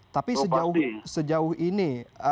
tapi sejauh ini